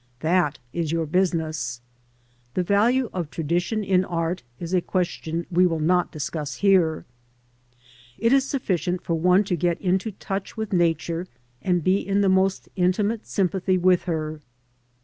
That is your business. The value of tradition in Art is a question we will not discuss here. It is sufficient for one to get into touch with Nature and be in the most intimate sympathy with her.